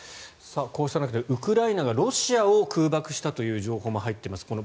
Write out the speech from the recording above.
こうした中でウクライナがロシアを空爆したという情報も入っています。